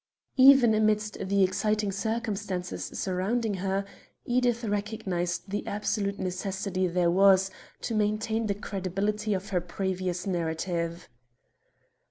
Even amidst the exciting circumstances surrounding her, Edith recognized the absolute necessity there was to maintain the credibility of her previous narrative.